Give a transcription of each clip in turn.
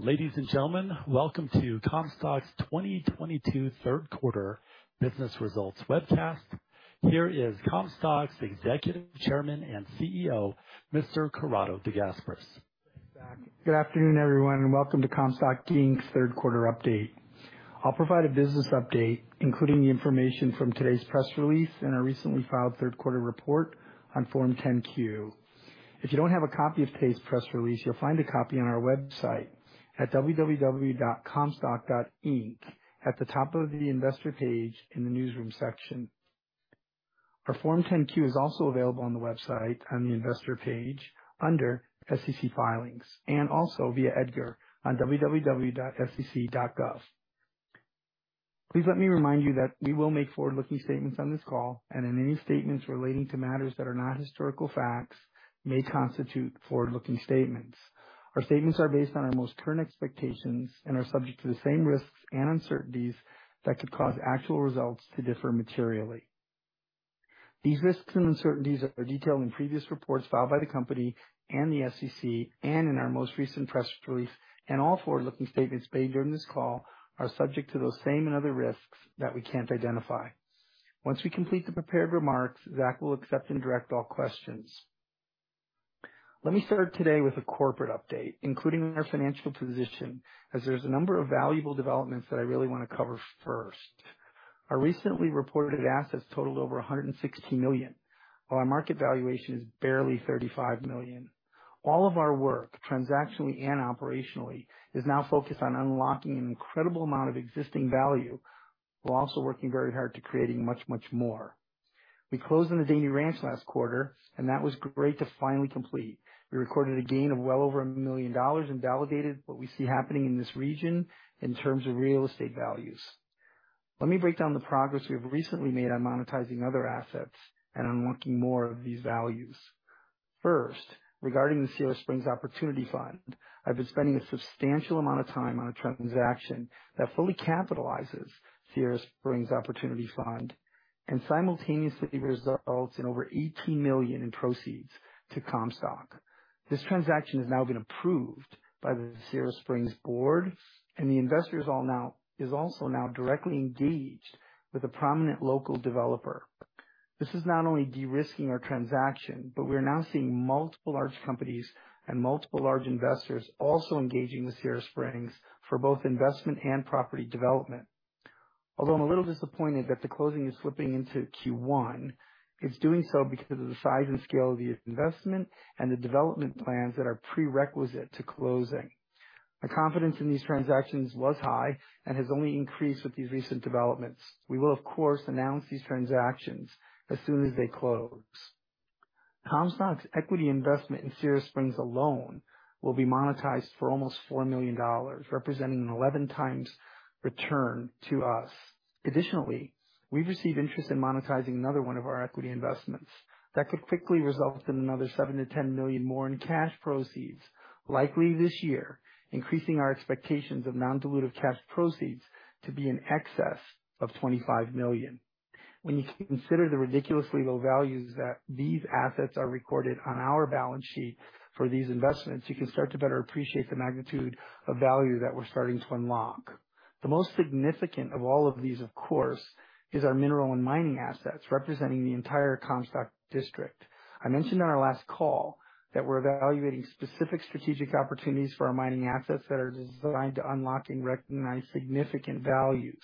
Ladies and gentlemen, welcome to Comstock's 2022 Q3 business results webcast. Here is Comstock's Executive Chairman and CEO, Mr. Corrado De Gasperis. Thanks, Zach. Good afternoon, everyone, and welcome to Comstock Inc Q3 update. I'll provide a business update, including the information from today's press release and our recently filed Q3 report on Form 10-Q. If you don't have a copy of today's press release, you'll find a copy on our website at www.comstock.inc at the top of the investor page in the newsroom section. Our Form 10-Q is also available on the website on the investor page under SEC Filings and also via EDGAR on www.sec.gov. Please let me remind you that we will make forward-looking statements on this call and in any statements relating to matters that are not historical facts may constitute forward-looking statements. Our statements are based on our most current expectations and are subject to the same risks and uncertainties that could cause actual results to differ materially. These risks and uncertainties are detailed in previous reports filed by the company and the SEC and in our most recent press release, and all forward-looking statements made during this call are subject to those same and other risks that we can't identify. Once we complete the prepared remarks, Zach will accept and direct all questions. Let me start today with a corporate update, including our financial position, as there's a number of valuable developments that I really wanna cover first. Our recently reported assets totaled over $160 million, while our market valuation is barely $35 million. All of our work, transactionally and operationally, is now focused on unlocking an incredible amount of existing value while also working very hard to creating much, much more. We closed on the Dayton Ranch last quarter, and that was great to finally complete. We recorded a gain of well over $1 million and validated what we see happening in this region in terms of real estate values. Let me break down the progress we've recently made on monetizing other assets and unlocking more of these values. First, regarding the Sierra Springs Opportunity Fund, I've been spending a substantial amount of time on a transaction that fully capitalizes Sierra Springs Opportunity Fund and simultaneously results in over $18 million in proceeds to Comstock. This transaction has now been approved by the Sierra Springs board, and the investors are also now directly engaged with a prominent local developer. This is not only de-risking our transaction, but we're now seeing multiple large companies and multiple large investors also engaging with Sierra Springs for both investment and property development. Although I'm a little disappointed that the closing is slipping into Q1, it's doing so because of the size and scale of the investment and the development plans that are prerequisite to closing. My confidence in these transactions was high and has only increased with these recent developments. We will, of course, announce these transactions as soon as they close. Comstock's equity investment in Sierra Springs alone will be monetized for almost $4 million, representing an 11x return to us. Additionally, we've received interest in monetizing another one of our equity investments that could quickly result in another $7 million-$10 million more in cash proceeds, likely this year, increasing our expectations of non-dilutive cash proceeds to be in excess of $25 million. When you consider the ridiculously low values that these assets are recorded on our balance sheet for these investments, you can start to better appreciate the magnitude of value that we're starting to unlock. The most significant of all of these, of course, is our mineral and mining assets, representing the entire Comstock district. I mentioned on our last call that we're evaluating specific strategic opportunities for our mining assets that are designed to unlock and recognize significant values.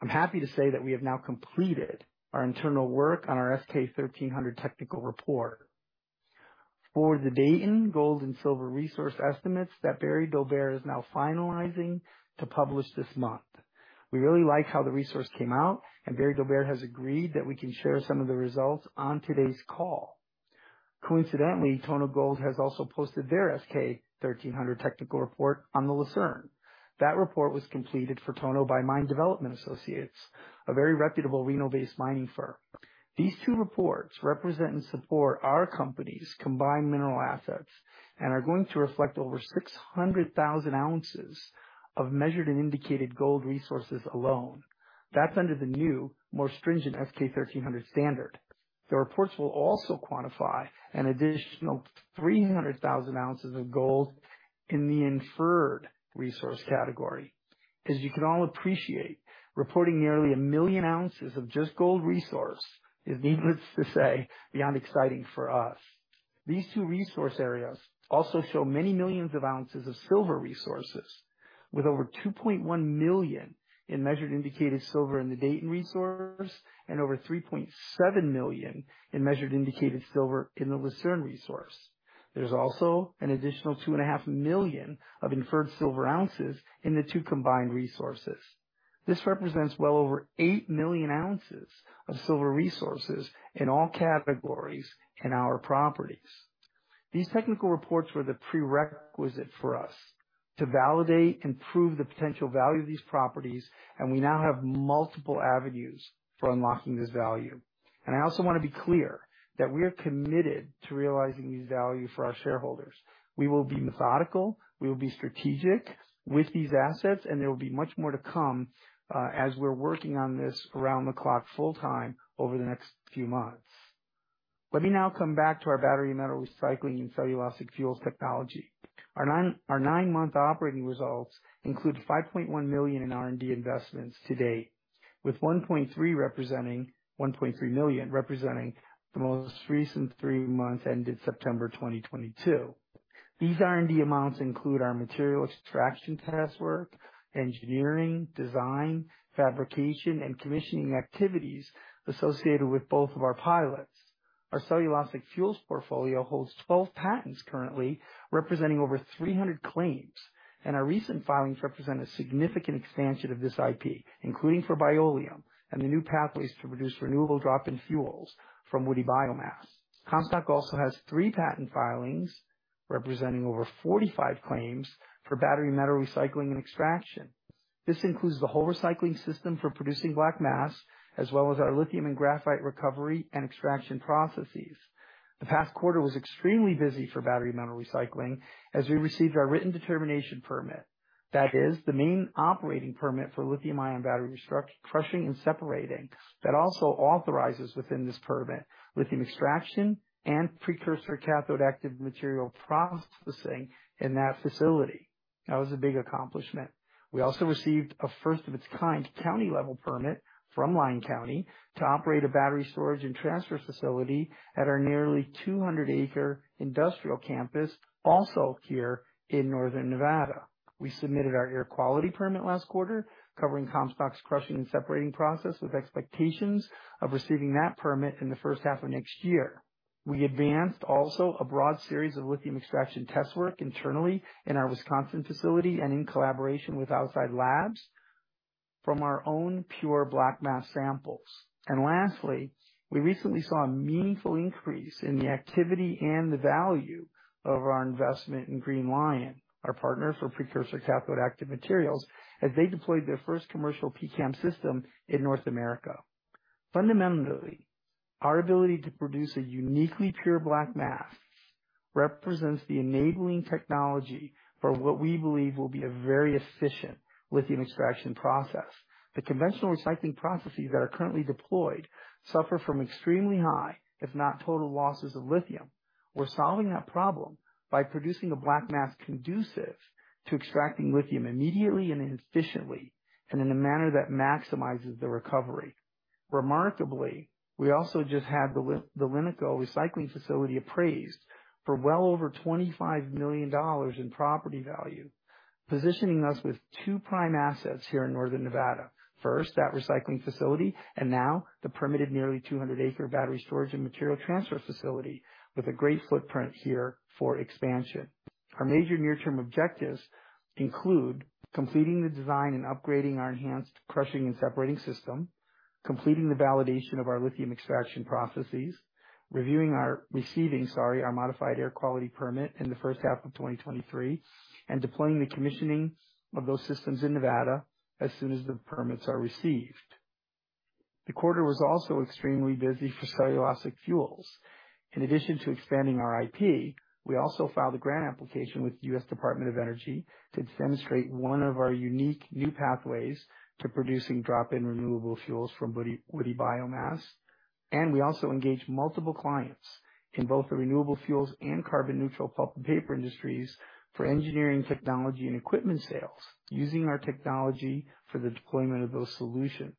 I'm happy to say that we have now completed our internal work on our S-K 1300 technical report for the Dayton gold and silver resource estimates that Barry Daubert is now finalizing to publish this month. We really like how the resource came out, and Barry Daubert has agreed that we can share some of the results on today's call. Coincidentally, Tonogold has also posted their S-K 1300 technical report on the Lucerne. That report was completed for Tonogold by Mine Development Associates, a very reputable Reno-based mining firm. These two reports represent and support our company's combined mineral assets and are going to reflect over 600,000 ounces of measured and indicated gold resources alone. That's under the new, more stringent S-K 1300 standard. The reports will also quantify an additional 300,000 ounces of gold in the inferred resource category. As you can all appreciate, reporting nearly 1 million ounces of just gold resource is needless to say, beyond exciting for us. These two resource areas also show many millions of ounces of silver resources, with over 2.1 million in measured indicated silver in the Dayton resource and over 3.7 million in measured indicated silver in the Lucerne resource. There's also an additional 2.5 million of inferred silver ounces in the two combined resources. This represents well over 8 million ounces of silver resources in all categories in our properties. These technical reports were the prerequisite for us to validate and prove the potential value of these properties, and we now have multiple avenues for unlocking this value. I also wanna be clear that we are committed to realizing these values for our shareholders. We will be methodical, we will be strategic with these assets, and there will be much more to come, as we're working on this around the clock full time over the next few months. Let me now come back to our battery metal recycling and cellulosic fuels technology. Our nine-month operating results include $5.1 million in R&D investments to date, with $1.3 million representing the most recent three months ended September 2022. These R&D amounts include our material extraction test work, engineering, design, fabrication, and commissioning activities associated with both of our pilots. Our cellulosic fuels portfolio holds 12 patents currently, representing over 300 claims, and our recent filings represent a significant expansion of this IP, including for Bioleum and the new pathways to produce renewable drop-in fuels from woody biomass. Comstock also has three patent filings representing over 45 claims for battery metal recycling and extraction. This includes the whole recycling system for producing black mass, as well as our lithium and graphite recovery and extraction processes. The past quarter was extremely busy for battery metal recycling as we received our written determination permit. That is the main operating permit for lithium-ion battery crushing and separating that also authorizes within this permit lithium extraction and precursor cathode active material processing in that facility. That was a big accomplishment. We also received a first of its kind county level permit from Lyon County to operate a battery storage and transfer facility at our nearly 200-acre industrial campus, also here in northern Nevada. We submitted our air quality permit last quarter, covering Comstock's crushing and separating process with expectations of receiving that permit in the first half of next year. We advanced also a broad series of lithium extraction test work internally in our Wisconsin facility and in collaboration with outside labs from our own pure black mass samples. Lastly, we recently saw a meaningful increase in the activity and the value of our investment in Green Li-ion, our partners for precursor cathode active materials, as they deployed their first commercial PCAM system in North America. Fundamentally, our ability to produce a uniquely pure black mass represents the enabling technology for what we believe will be a very efficient lithium extraction process. The conventional recycling processes that are currently deployed suffer from extremely high, if not total losses of lithium. We're solving that problem by producing a black mass conducive to extracting lithium immediately and efficiently, and in a manner that maximizes the recovery. Remarkably, we also just had the LiNiCo recycling facility appraised for well over $25 million in property value, positioning us with two prime assets here in northern Nevada. First, that recycling facility and now the permitted nearly 200-acre battery storage and material transfer facility with a great footprint here for expansion. Our major near-term objectives include completing the design and upgrading our enhanced crushing and separating system, completing the validation of our lithium extraction processes, receiving, sorry, our modified air quality permit in the first half of 2023, and deploying the commissioning of those systems in Nevada as soon as the permits are received. The quarter was also extremely busy for cellulosic fuels. In addition to expanding our IP, we also filed a grant application with the U.S. Department of Energy to demonstrate one of our unique new pathways to producing drop-in renewable fuels from woody biomass. We also engaged multiple clients in both the renewable fuels and carbon neutral pulp and paper industries for engineering, technology and equipment sales using our technology for the deployment of those solutions.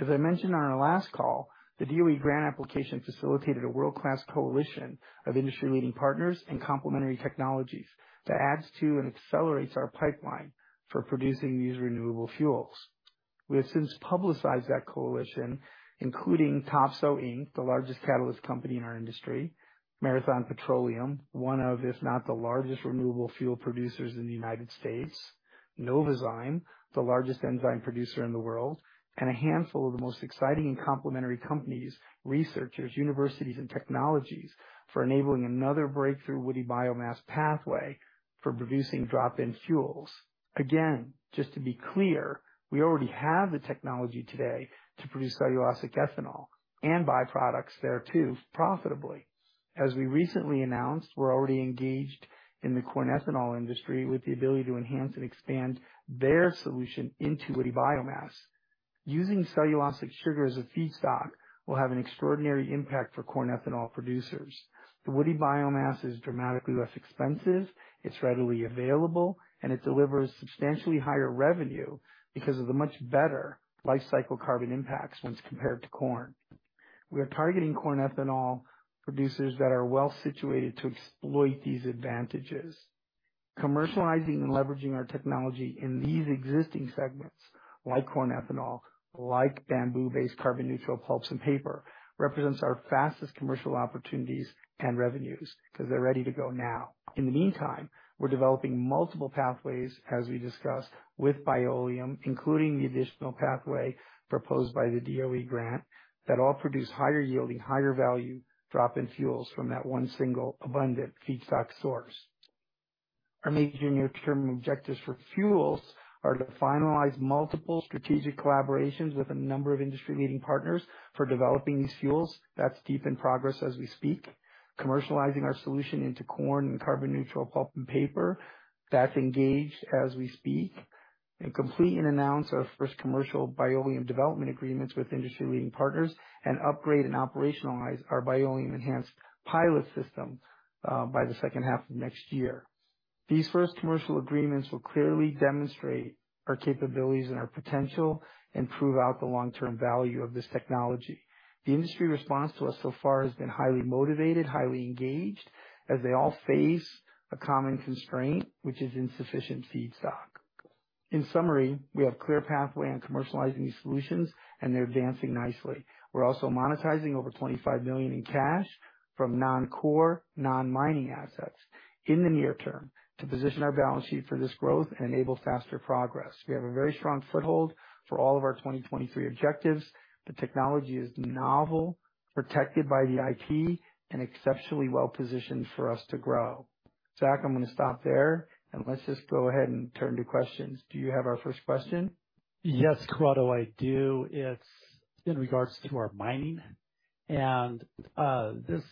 As I mentioned on our last call, the DOE grant application facilitated a world-class coalition of industry leading partners and complementary technologies that adds to and accelerates our pipeline for producing these renewable fuels. We have since publicized that coalition, including Topsoe Inc, the largest catalyst company in our industry, Marathon Petroleum, one of, if not the largest renewable fuel producers in the United States, Novozymes, the largest enzyme producer in the world, and a handful of the most exciting and complementary companies, researchers, universities, and technologies for enabling another breakthrough woody biomass pathway for producing drop-in fuels. Again, just to be clear, we already have the technology today to produce cellulosic ethanol and byproducts there too, profitably. As we recently announced, we're already engaged in the corn ethanol industry with the ability to enhance and expand their solution into woody biomass. Using cellulosic sugar as a feedstock will have an extraordinary impact for corn ethanol producers. The woody biomass is dramatically less expensive, it's readily available, and it delivers substantially higher revenue because of the much better lifecycle carbon impacts when it's compared to corn. We are targeting corn ethanol producers that are well situated to exploit these advantages. Commercializing and leveraging our technology in these existing segments, like corn ethanol, like bamboo-based carbon neutral pulps and paper, represents our fastest commercial opportunities and revenues because they're ready to go now. In the meantime, we're developing multiple pathways, as we discussed with Bioleum, including the additional pathway proposed by the DOE grant, that all produce higher-yielding, higher-value drop-in fuels from that one single abundant feedstock source. Our major near-term objectives for fuels are to finalize multiple strategic collaborations with a number of industry-leading partners for developing these fuels. That's deep in progress as we speak. Commercializing our solution into corn and carbon-neutral pulp and paper. That's engaged as we speak. Complete and announce our first commercial Bioleum development agreements with industry-leading partners. Upgrade and operationalize our Bioleum enhanced pilot system by the second half of next year. These first commercial agreements will clearly demonstrate our capabilities and our potential and prove out the long-term value of this technology. The industry response to us so far has been highly motivated, highly engaged, as they all face a common constraint, which is insufficient feedstock. In summary, we have clear pathway on commercializing these solutions and they're advancing nicely. We're also monetizing over $25 million in cash from non-core, non-mining assets in the near term to position our balance sheet for this growth and enable faster progress. We have a very strong foothold for all of our 2023 objectives. The technology is novel, protected by the IP, and exceptionally well-positioned for us to grow. Zach, I'm gonna stop there and let's just go ahead and turn to questions. Do you have our first question? Yes, Corrado, I do. It's in regards to our mining. This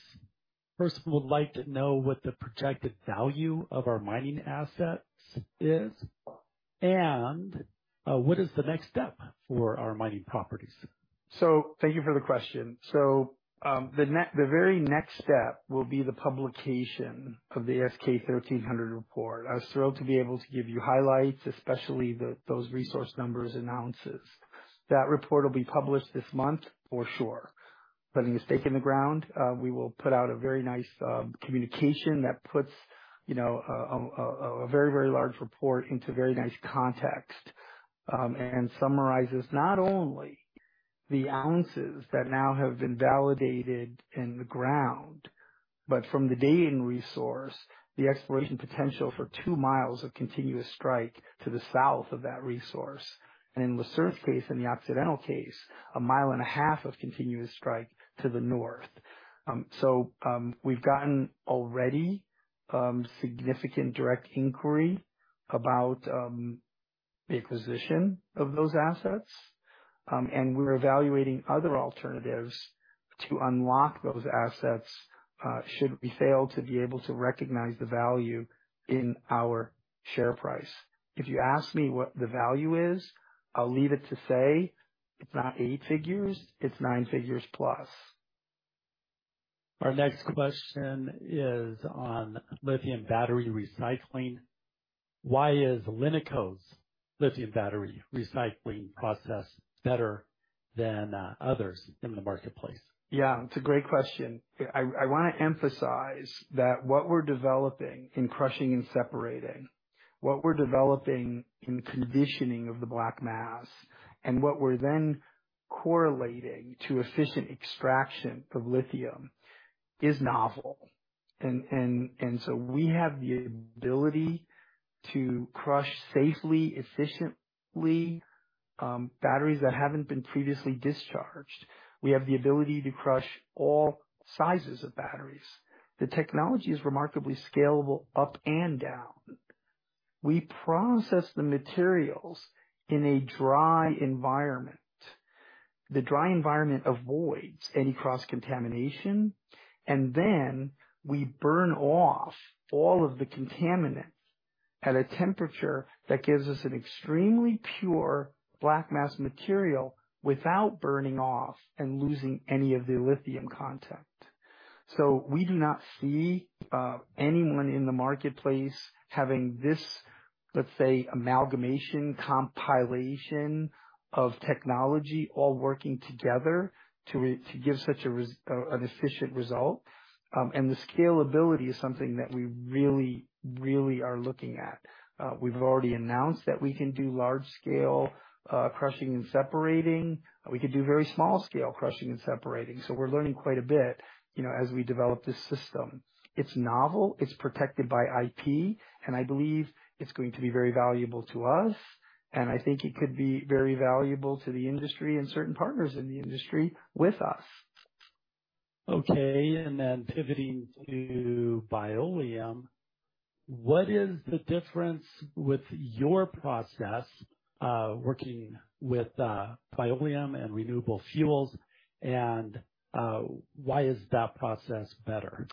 person would like to know what the projected value of our mining assets is and what is the next step for our mining properties. Thank you for the question. The very next step will be the publication of the S-K 1300 report. I was thrilled to be able to give you highlights, especially those resource numbers announced. That report will be published this month for sure. A stake in the ground, we will put out a very nice communication that puts, you know, a very very large report into very nice context, and summarizes not only the ounces that now have been validated in the ground, but from the indicated resource, the exploration potential for two miles of continuous strike to the south of that resource. In Lucerne's case and the Occidental Lode case, a mile and a half of continuous strike to the north. We've gotten already significant direct inquiry about the acquisition of those assets, and we're evaluating other alternatives to unlock those assets, should we fail to be able to recognize the value in our share price. If you ask me what the value is, I'll leave it to say it's not eight figures, it's nine figures plus. Our next question is on lithium battery recycling. Why is LiNiCo's lithium battery recycling process better than others in the marketplace? Yeah, it's a great question. I wanna emphasize that what we're developing in crushing and separating, what we're developing in conditioning of the black mass, and what we're then correlating to efficient extraction of lithium is novel. We have the ability to crush safely, efficiently, batteries that haven't been previously discharged. We have the ability to crush all sizes of batteries. The technology is remarkably scalable up and down. We process the materials in a dry environment. The dry environment avoids any cross-contamination, and then we burn off all of the contaminants at a temperature that gives us an extremely pure black mass material without burning off and losing any of the lithium content. We do not see anyone in the marketplace having this, let's say, amalgamation, compilation of technology all working together to give such an efficient result. The scalability is something that we really are looking at. We've already announced that we can do large scale crushing and separating. We can do very small scale crushing and separating. We're learning quite a bit, you know, as we develop this system. It's novel, it's protected by IP, and I believe it's going to be very valuable to us, and I think it could be very valuable to the industry and certain partners in the industry with us. Okay. Pivoting to Bioleum, what is the difference with your process working with Bioleum and renewable fuels, and why is that process better?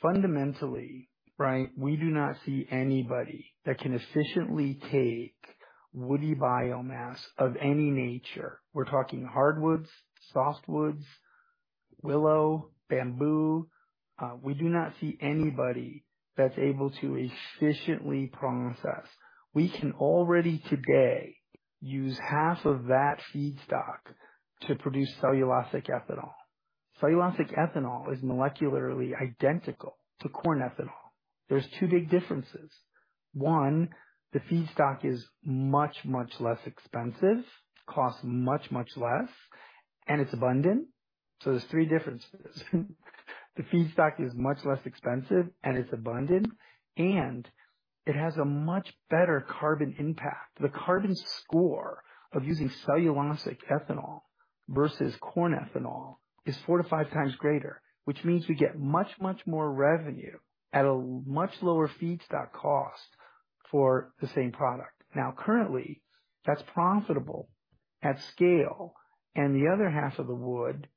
Fundamentally, right, we do not see anybody that can efficiently take woody biomass of any nature. We're talking hardwoods, softwoods, willow, bamboo. We do not see anybody that's able to efficiently process. We can already today use half of that feedstock to produce cellulosic ethanol. Cellulosic ethanol is molecularly identical to corn ethanol. There's two big differences. One, the feedstock is much, much less expensive. It costs much, much less, and it's abundant. There's three differences. The feedstock is much less expensive and it's abundant, and it has a much better carbon impact. The carbon score of using cellulosic ethanol versus corn ethanol is four to five times greater, which means we get much, much more revenue at much lower feedstock cost for the same product. Currently, that's profitable. At scale, the other half of the wood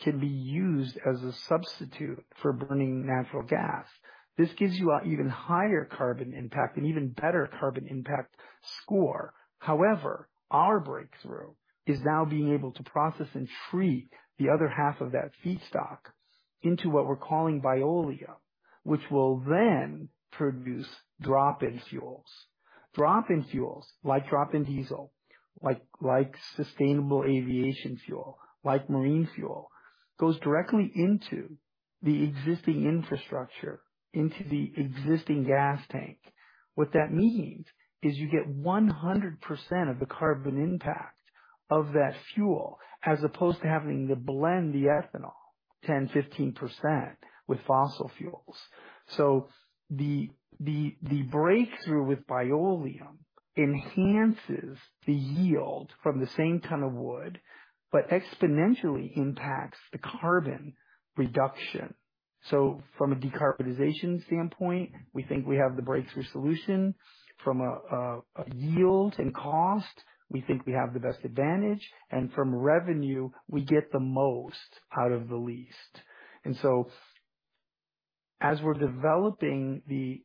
can be used as a substitute for burning natural gas. This gives you an even higher carbon impact, an even better carbon impact score. However, our breakthrough is now being able to process and treat the other half of that feedstock into what we're calling Bioleum, which will then produce drop-in fuels. Drop-in fuels like drop-in diesel, like sustainable aviation fuel, like marine fuel goes directly into the existing infrastructure, into the existing gas tank. What that means is you get 100% of the carbon impact of that fuel as opposed to having to blend the ethanol 10, 15% with fossil fuels. The breakthrough with Bioleum enhances the yield from the same ton of wood, but exponentially impacts the carbon reduction. From a decarbonization standpoint, we think we have the breakthrough solution. From a yield and cost, we think we have the best advantage. From revenue, we get the most out of the least. As we're developing the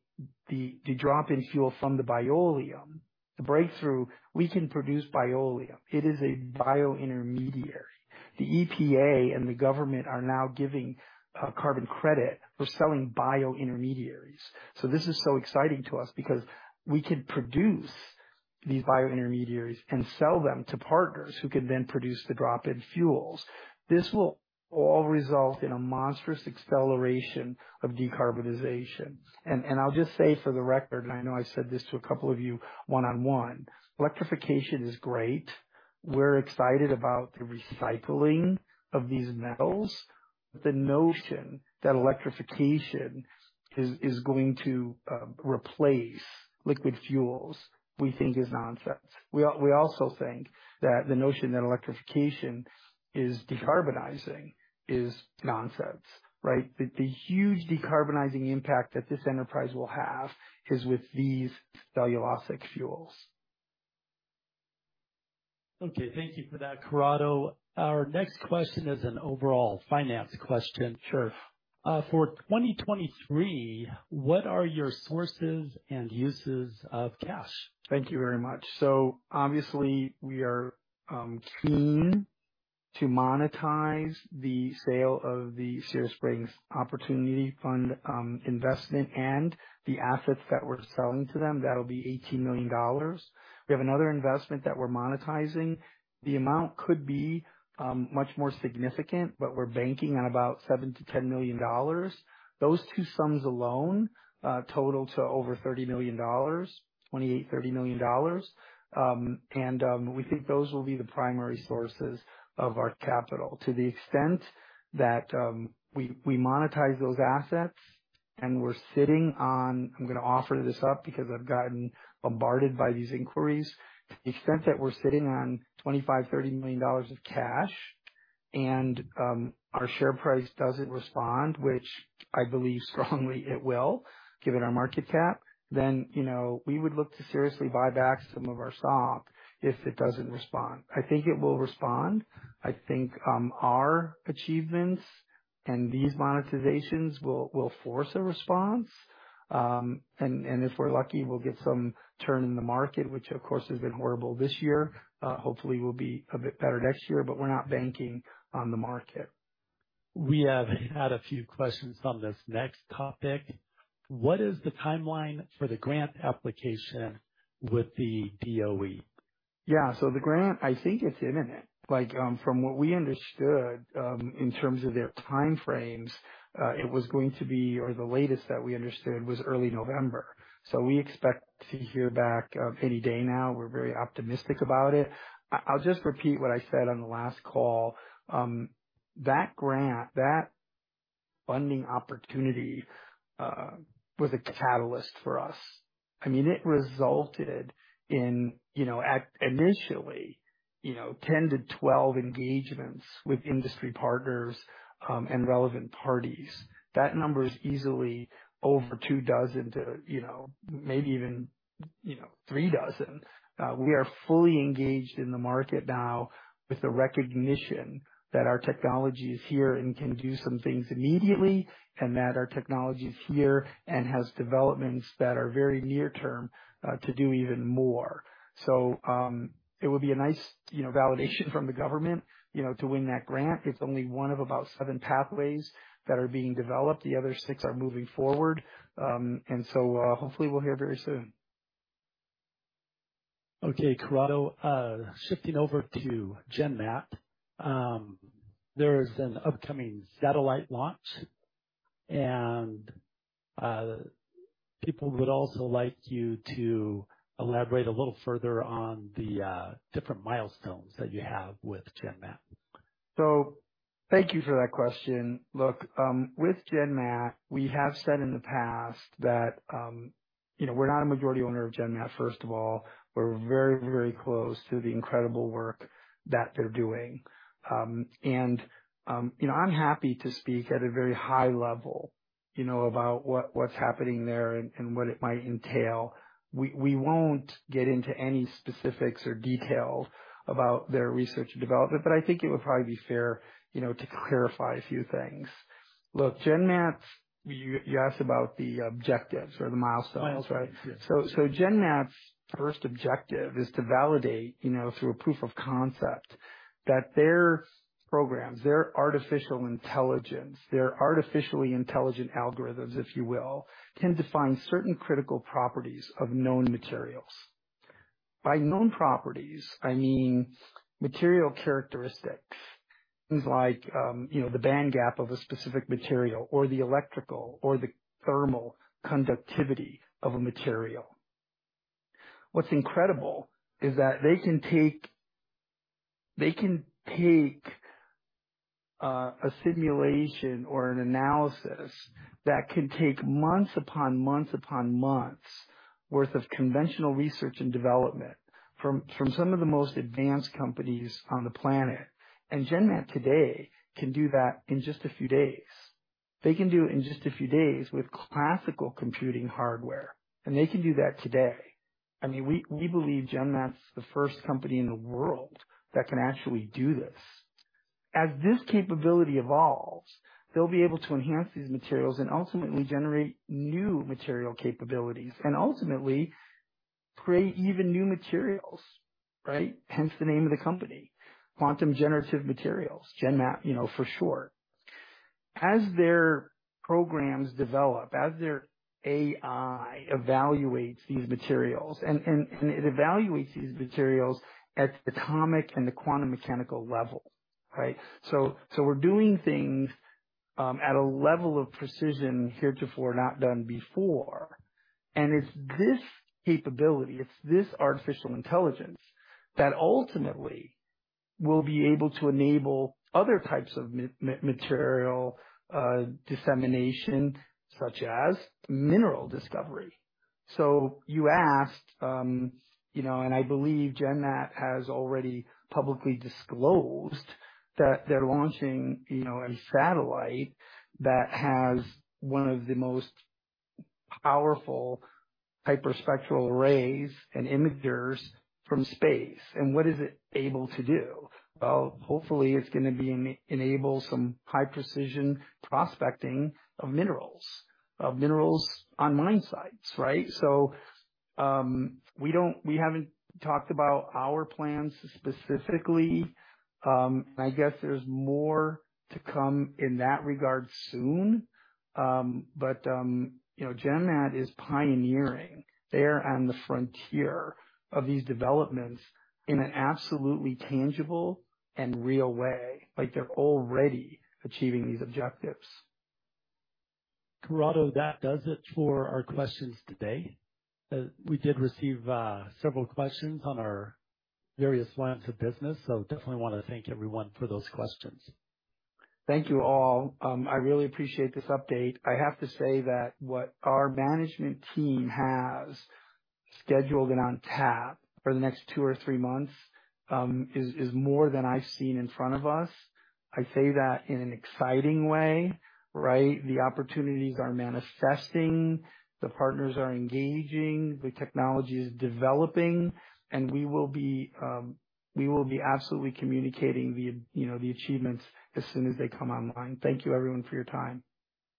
drop-in fuel from the Bioleum, the breakthrough, we can produce Bioleum. It is a biointermediary. The EPA and the government are now giving carbon credit for selling biointermediaries. This is so exciting to us because we can produce these biointermediaries and sell them to partners who can then produce the drop-in fuels. This will all result in a monstrous acceleration of decarbonization. I'll just say for the record, and I know I said this to a couple of you one-on-one, electrification is great. We're excited about the recycling of these metals. The notion that electrification is going to replace liquid fuels, we think is nonsense. We also think that the notion that electrification is decarbonizing is nonsense, right? That the huge decarbonizing impact that this enterprise will have is with these cellulosic fuels. Okay, thank you for that, Corrado. Our next question is an overall finance question. Sure. For 2023, what are your sources and uses of cash? Thank you very much. Obviously, we are keen to monetize the sale of the Sierra Springs Opportunity Fund investment and the assets that we're selling to them. That'll be $18 million. We have another investment that we're monetizing. The amount could be much more significant, but we're banking on about $7-$10 million. Those two sums alone total to over $30 million, $28-$30 million. We think those will be the primary sources of our capital. To the extent that we monetize those assets and we're sitting on. I'm gonna offer this up because I've gotten bombarded by these inquiries. the extent that we're sitting on $25 million-$30 million of cash and our share price doesn't respond, which I believe strongly it will, given our market cap, then, you know, we would look to seriously buy back some of our stock if it doesn't respond. I think it will respond. I think our achievements and these monetizations will force a response. And if we're lucky, we'll get some turn in the market, which of course has been horrible this year. Hopefully, it will be a bit better next year, but we're not banking on the market. We have had a few questions on this next topic. What is the timeline for the grant application with the DOE? Yeah. The grant, I think it's in and out. Like, from what we understood, in terms of their time frames, or the latest that we understood was early November. We expect to hear back any day now. We're very optimistic about it. I'll just repeat what I said on the last call. That grant, that funding opportunity, was a catalyst for us. I mean, it resulted in, you know, at initially, you know, 10-12 engagements with industry partners, and relevant parties. That number is easily over 24 to, you know, maybe even, you know, 36. We are fully engaged in the market now with the recognition that our technology is here and can do some things immediately, and that our technology is here and has developments that are very near term to do even more. It would be a nice, you know, validation from the government, you know, to win that grant. It's only one of about seven pathways that are being developed. The other six are moving forward. Hopefully we'll hear very soon. Okay, Corrado, shifting over to GenMat. There is an upcoming satellite launch, and people would also like you to elaborate a little further on the different milestones that you have with GenMat. Thank you for that question. Look, with GenMat, we have said in the past that, you know, we're not a majority owner of GenMat, first of all. We're very, very close to the incredible work that they're doing. And, you know, I'm happy to speak at a very high level. You know about what's happening there and what it might entail. We won't get into any specifics or details about their research and development, but I think it would probably be fair, you know, to clarify a few things. Look, GenMat, you asked about the objectives or the milestones, right? Yes. GenMat's first objective is to validate, you know, through a proof of concept that their programs, their artificial intelligence, their artificially intelligent algorithms, if you will, can define certain critical properties of known materials. By known properties, I mean material characteristics, things like, you know, the band gap of a specific material or the electrical or the thermal conductivity of a material. What's incredible is that they can take a simulation or an analysis that can take months upon months upon months worth of conventional research and development from some of the most advanced companies on the planet, and GenMat today can do that in just a few days. They can do it in just a few days with classical computing hardware, and they can do that today. I mean, we believe GenMat's the first company in the world that can actually do this. As this capability evolves, they'll be able to enhance these materials and ultimately generate new material capabilities and ultimately create even new materials, right? Hence the name of the company, Quantum Generative Materials, GenMat, you know, for short. As their programs develop, as their AI evaluates these materials, and it evaluates these materials at the atomic and the quantum mechanical level, right? So we're doing things at a level of precision heretofore not done before. It's this capability, it's this artificial intelligence that ultimately will be able to enable other types of material dissemination such as mineral discovery. You asked, you know, and I believe GenMat has already publicly disclosed that they're launching, you know, a satellite that has one of the most powerful hyperspectral arrays and imagers from space. What is it able to do? Well, hopefully, it's gonna be enable some high precision prospecting of minerals on mine sites, right? We don't, we haven't talked about our plans specifically. I guess there's more to come in that regard soon. You know, GenMat is pioneering. They're on the frontier of these developments in an absolutely tangible and real way. Like, they're already achieving these objectives. Corrado, that does it for our questions today. We did receive several questions on our various lines of business, so definitely wanna thank everyone for those questions. Thank you all. I really appreciate this update. I have to say that what our management team has scheduled and on tap for the next two or three months is more than I've seen in front of us. I say that in an exciting way, right? The opportunities are manifesting, the partners are engaging, the technology is developing, and we will be absolutely communicating the, you know, the achievements as soon as they come online. Thank you everyone for your time.